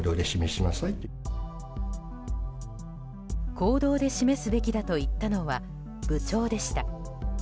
行動で示すべきだと言ったのは部長でした。